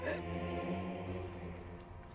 benar kisah anak